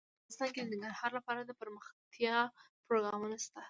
افغانستان کې د ننګرهار لپاره دپرمختیا پروګرامونه شته.